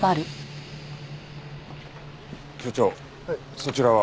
所長そちらは？